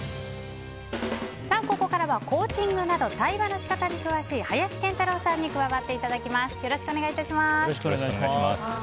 ここからはコーチングなど対話の仕方に詳しい林健太郎さんに加わっていただきます。